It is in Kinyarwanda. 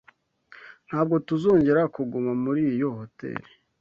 Ntabwo tuzongera kuguma muri iyo hoteri.